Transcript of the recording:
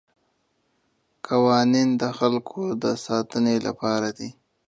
قوانین د خلګو د ساتنې لپاره دي.